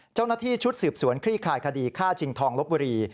เจ้าหน้าที่ชุดสืบสวนคลี่คายคดีฆ่าชิงทองลบบุรี